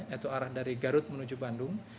yaitu arah dari garut menuju bandung